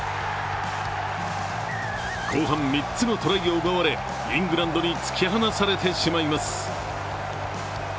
後半３つのトライを奪われ、イングランドに突き放されてしまいます。